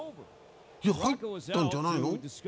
いや、入ったんじゃないの？